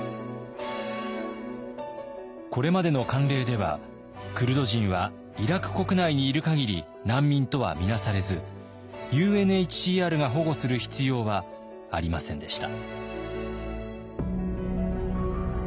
これまでの慣例ではクルド人はイラク国内にいるかぎり難民とは見なされずＵＮＨＣＲが保護する必要はありませんでした。